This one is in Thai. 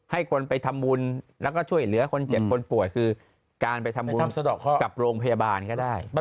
ให้คนไปทำบุญแล้วก็ช่วยเหลือคนเจ็บคนป่วยคือการไปทำบุญกับโรงพยาบาลก็ได้